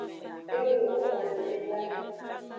E luno xwan nene ba.